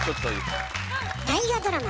大河ドラマ